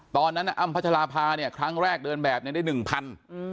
ตอนนั้นอ้ำพระธาราภาครั้งแรกเดินแบบได้หนึ่งพัน